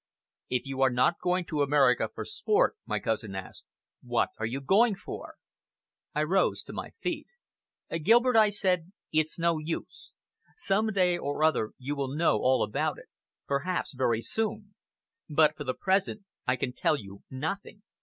"If you are not going to America for sport," my cousin asked, "what are you going for?" I rose to my feet. "Gilbert," I said, "it's no use. Some day or other you will know all about it perhaps very soon. But, for the present, I can tell you nothing.